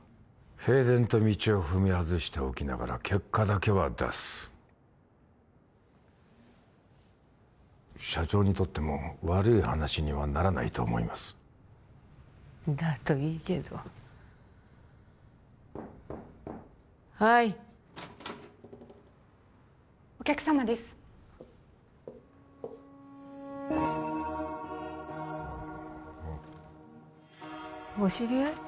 平然と道を踏み外しておきながら結果だけは出す社長にとっても悪い話にはならないと思いますだといいけどはいお客様ですお知り合い？